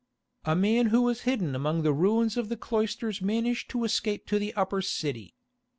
A man who was hidden among the ruins of the cloisters managed to escape to the Upper City.